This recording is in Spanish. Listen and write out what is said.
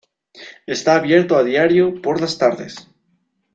Está abierto a diario por las tardes.